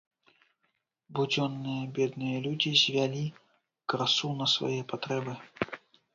Будзённыя бедныя людзі звялі красу на свае патрэбы.